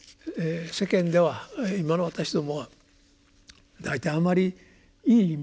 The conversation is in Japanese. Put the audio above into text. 世間では今の私どもは大体あまりいい意味で使わない。